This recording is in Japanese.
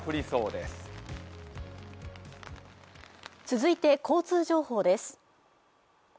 続いて交通情報です。